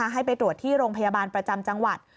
ให้ไปตรวจที่โรงพยาบาลประจำจังหวัด